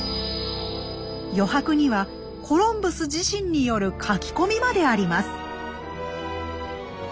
余白にはコロンブス自身による書き込みまであります。